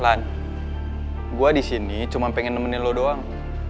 lan gue disini cuma pengen nemenin lo doang